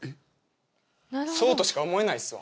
そうとしか思えないっすわ。